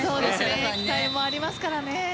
期待もありますからね。